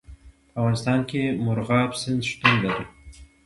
په افغانستان کې مورغاب سیند شتون لري.